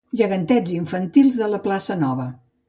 Gegantets infantils de la Plaça Nova.